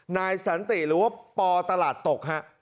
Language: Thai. นายสันติหรือว่าปตลาดตกฮะ